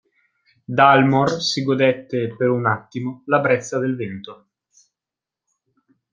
Dalmor si godette per un attimo la brezza del vento.